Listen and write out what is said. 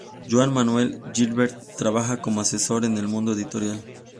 Joan Manuel Gisbert trabajó como asesor en el mundo editorial.